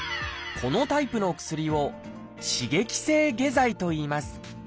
このタイプの薬を「刺激性下剤」といいます